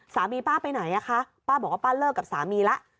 ป้าไปไหนอ่ะคะป้าบอกว่าป้าเลิกกับสามีแล้ว